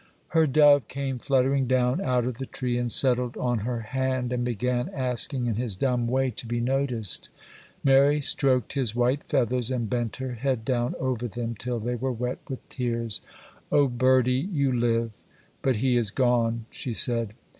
Her dove came fluttering down out of the tree and settled on her hand, and began asking in his dumb way to be noticed. Mary stroked his white feathers, and bent her head down over them till they were wet with tears. 'Oh, birdie, you live, but he is gone!' she said.